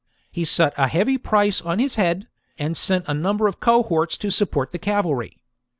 He set a heavy price upon his head, and sent a number of cohorts to support the cavalry.